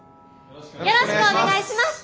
よろしくお願いします。